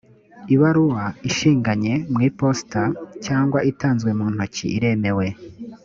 ibaruwa ishinganye mu iposita cyangwa itanzwe mu ntoki iremewe